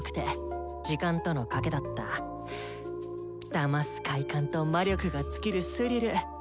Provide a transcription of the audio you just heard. だます快感と魔力が尽きるスリル。